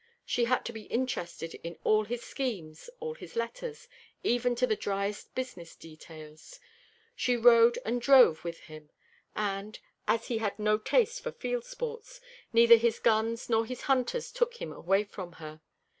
She had to be interested in all his schemes, all his letters, even to the driest business details. She rode and drove with him, and, as he had no taste for field sports, neither his guns nor his hunters took him away from her.